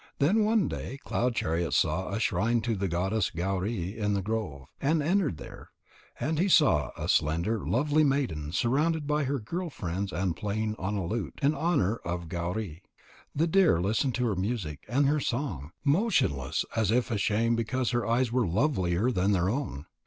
Then one day Cloud chariot saw a shrine to the goddess Gauri in the grove, and entered there. And he saw a slender, lovely maiden surrounded by her girl friends and playing on a lute, in honour of Gauri. The deer listened to her music and her song, motionless as if ashamed because her eyes were lovelier than their own.